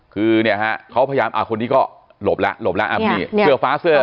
คือเนี่ยฮะเขาพยายามอ่าคนนี้ก็หลบแล้วหลบแล้วนี่เสื้อฟ้าเสื้อ